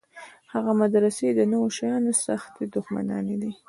هغه مدرسې د نویو شیانو سختې دښمنانې دي.